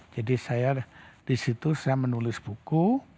jadi saya disitu saya menulis buku